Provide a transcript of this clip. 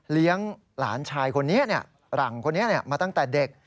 หลานชายคนนี้หลังคนนี้มาตั้งแต่เด็ก